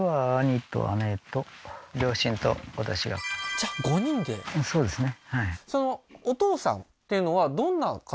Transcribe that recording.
じゃあ５人でそうですね